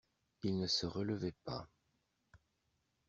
Il ne se relevait pas.